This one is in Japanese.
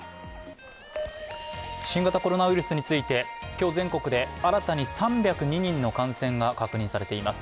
新型コロナウイルスについて、今日全国で新たに３０２人の感染が確認されています。